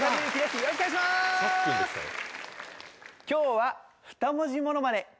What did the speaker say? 今日は２文字ものまね